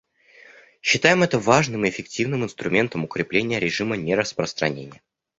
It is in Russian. Считаем это важным и эффективным инструментом укрепления режима нераспространения.